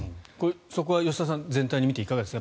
そこは吉田さん全体で見ていかがですか？